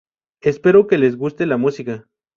Espero que les guste la música.